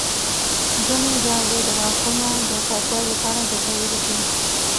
ځینې ژاولې د غاښونو د پاکوالي لپاره ګټورې دي.